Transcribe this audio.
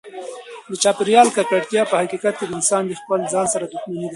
د چاپیریال ککړتیا په حقیقت کې د انسان د خپل ځان سره دښمني ده.